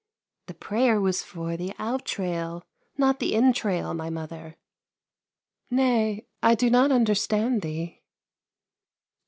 " The prayer was for the out trail, not the in trail, my mother." " Nay, I do not understand thee."